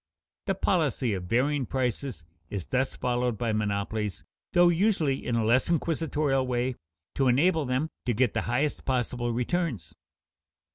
The policy of varying prices is thus followed by monopolies, though usually in a less inquisitorial way, to enable them to get the highest possible returns.